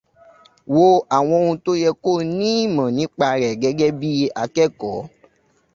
Wo àwọn ohun tó ye kò ní ìmọ̀ nípa rẹ̀ gẹ́gẹ́ bí i akẹ́kọ̀ọ́.